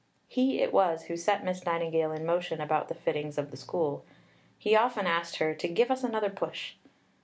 He it was who set Miss Nightingale in motion about the fittings of the School. He often asked her to "give us another push."